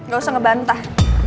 gak usah ngebantah